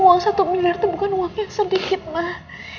uang satu miliar itu bukan uangnya sedikit nen